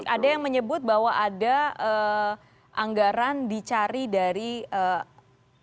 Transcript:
ada yang menyebut bahwa ada anggaran dicari dari pemerintah